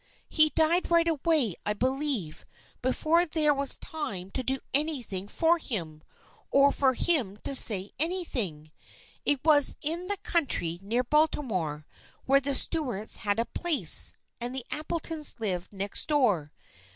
He died right away I believe, before there was time to do anything for him, or for him to say anything. It was in the country near Baltimore, where the Stuarts had a place, and the Appletons lived next door.